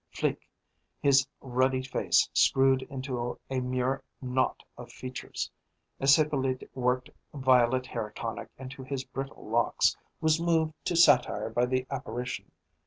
Flique, his ruddy face screwed into a mere knot of features, as Hippolyte worked violet hair tonic into his brittle locks, was moved to satire by the apparition.